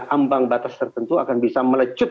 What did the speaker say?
ambang batas tertentu akan bisa melecut